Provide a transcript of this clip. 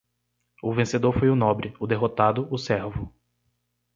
O vencedor foi o nobre, o derrotado o servo.